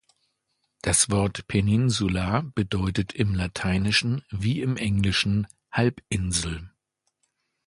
Das Wort "Peninsula" bedeutet im Lateinischen wie im Englischen "Halbinsel.